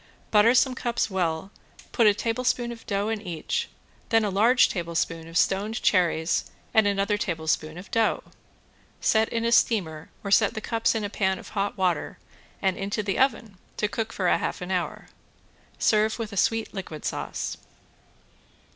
Butter some cups well, put a tablespoon of dough in each, then a large tablespoon of stoned cherries and another tablespoon of dough. Set in a steamer or set the cups in a pan of hot water and into the oven to cook half an hour. Serve with a sweet liquid sauce.